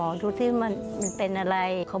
ป้าก็ทำของคุณป้าได้ยังไงสู้ชีวิตขนาดไหนติดตามกัน